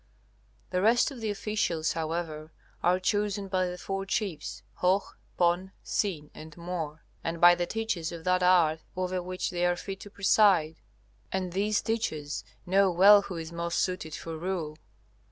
The rest of the officials, however, are chosen by the four chiefs, Hoh, Pon, Sin and Mor, and by the teachers of that art over which they are fit to preside. And these teachers know well who is most suited for rule.